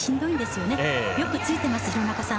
よくついています、廣中さん。